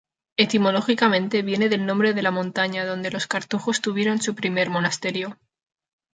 Etimológicamente viene del nombre de la montaña donde los cartujos tuvieron su primer monasterio.